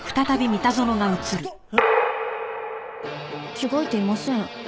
着替えていません。